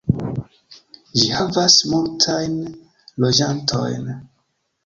Ĝi havas multajn loĝantojn.